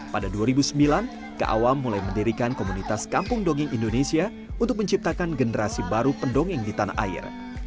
pada dua ribu sembilan keawam mulai mendirikan komunitas kampung dongeng indonesia untuk menciptakan generasi baru pendongeng di tanah air